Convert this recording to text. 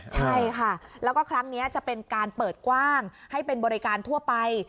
ใช่ค่ะแล้วก็ครั้งนี้จะเป็นการเปิดกว้างให้เป็นบริการทั่วไป